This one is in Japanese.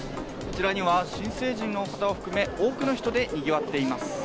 こちらには新成人の方も含め、多くの人でにぎわっています。